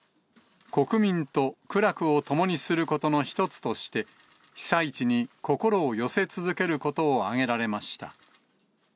国民と苦楽を共にすることの一つとして、被災地に心を寄せ続けることを挙げられました。